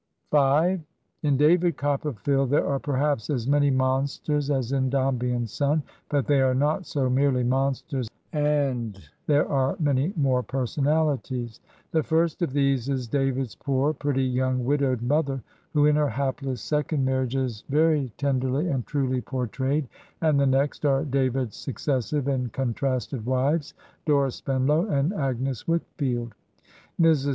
In "David Copperfield" there are perhaps as many monsters as in " Dombey and Son," but they are not so merely monsters, and there are many more personahties. The fiirst of these is David's poor, pretty young widowed mother, who in her hapless second marriage is very tenderly and truly portrayed, and the next are David's successive and contrasted wives, Dora Spenlow and Agnes Wickfield. Mrs.